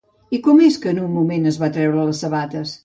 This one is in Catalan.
I com és que en un moment es va treure les sabates?